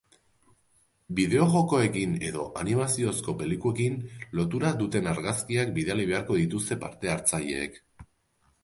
Bideo-jokoekin edo animaziozko pelikulekin lotura duten argazkiak bidali beharko dituzte parte-hartzaileek.